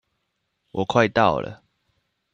我快到了